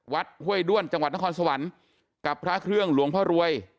ห้วยด้วนจังหวัดนครสวรรค์กับพระเครื่องหลวงพ่อรวย